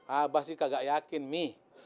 abah sih gak yakin mi